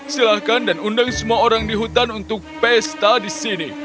silahkan dan undang semua orang di hutan untuk pesta di sini